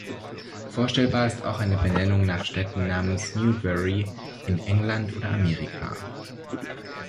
Vorstellbar ist auch eine Benennung nach Städten namens Newbury in England oder Amerika.